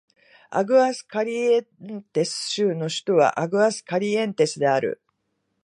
アグアスカリエンテス州の州都はアグアスカリエンテスである